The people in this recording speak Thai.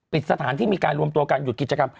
สถานที่มีการรวมตัวกันหยุดกิจกรรม